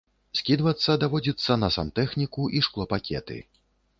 Скідвацца даводзіцца на сантэхніку і шклопакеты.